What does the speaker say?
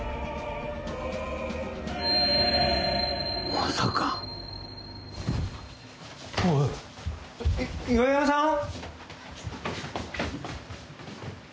まさか岩山さん？